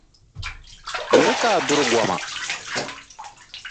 Miri ka a duri goma.